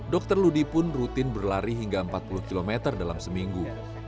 dokter ludi pun rutin berlari hingga empat puluh km dalam seminggu